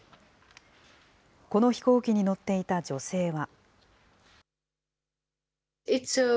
この飛行機に乗っていた女性は。